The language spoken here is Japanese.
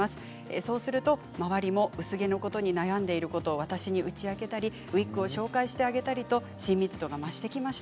そうすると周りも薄毛のことに悩んでいること、私に打ち明けたりウイッグを紹介したり親密度が増してきました。